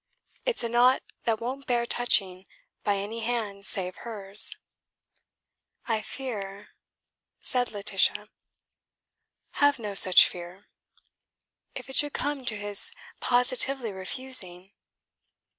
It's a knot that won't bear touching by any hand save hers." "I fear ..." said Laetitia. "Have no such fear." "If it should come to his positively refusing."